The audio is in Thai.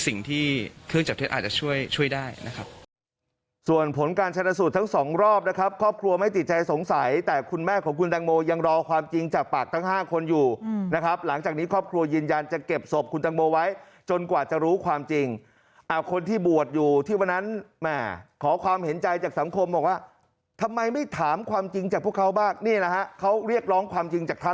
สิ่งที่เครื่องจับเท็จอาจจะช่วยช่วยได้นะครับ